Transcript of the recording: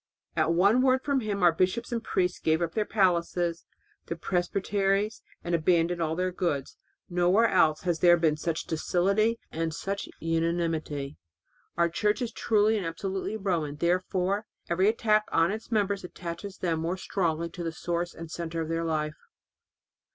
At one word from him our bishops and priests gave up their palaces and their presbyteries and abandoned all their goods. Nowhere else has there been such docility and such unanimity. Our Church is truly and absolutely Roman; therefore every attack on its members attaches them more strongly to the source and centre of their life.